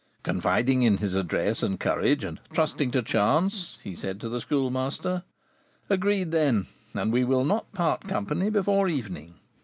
Confiding in his address and courage, and trusting to chance, he said to the Schoolmaster: "Agreed, then; and we will not part company before evening."